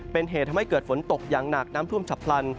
เป็นเหตุทำให้เกิดฝนตกอย่างหนักน้ำท่วมฉับพลัน